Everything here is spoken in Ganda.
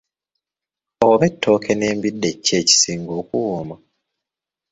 Oba ettooke n’embidde ki ekisinga okuwooma?